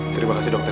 terima kasih dokter